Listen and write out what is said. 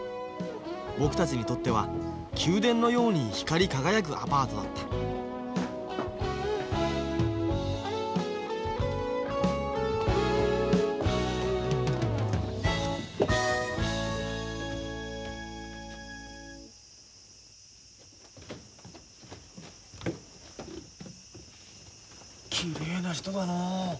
僕たちにとっては宮殿のように光り輝くアパートだったきれいな人だな。